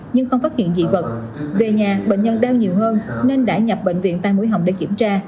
nhưng không phát hiện dị vật về nhà bệnh nhân đau nhiều hơn nên đã nhập bệnh viện tài mũi họng để kiểm tra